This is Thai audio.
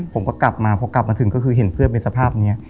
ผมก็กลับมาพอกลับมาถึงก็คือเห็นเพื่อนเป็นสภาพนี้